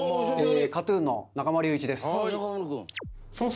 ＫＡＴ−ＴＵＮの中丸雄一です。